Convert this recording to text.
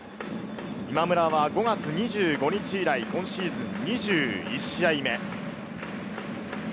今村は５月２５日以来、今シーズン２１試合目。